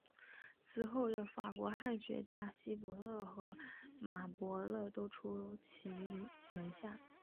此后的法国汉学家伯希和与马伯乐都出自其门下。